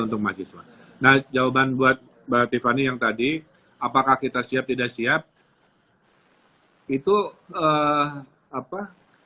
untuk mahasiswa nah jawaban buat mbak tiffany yang tadi apakah kita siap tidak siap itu apa